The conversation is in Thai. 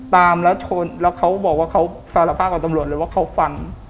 ตามแล้วชนแล้วเขาบอกว่าเขาสารภาพกับตำรวจเลยว่าเขาฟัง